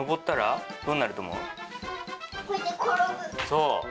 そう！